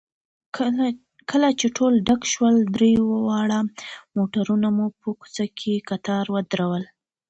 کله چې ټول ډک شول، درې واړه موټرونه مو په کوڅه کې کتار ودرول.